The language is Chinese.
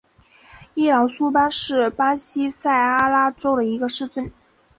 伊劳苏巴是巴西塞阿拉州的一个市镇。